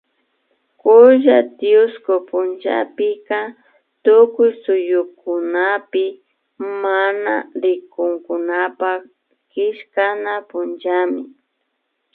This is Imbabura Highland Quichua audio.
Kulla tiushku punllapika Tukuy suyukunapi mana rikunkunapak killkana punllami